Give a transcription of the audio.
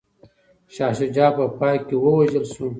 شاه شجاع په پای کي ووژل شو.